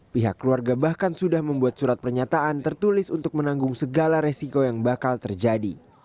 pihak keluarga bahkan sudah membuat surat pernyataan tertulis untuk menanggung segala resiko yang bakal terjadi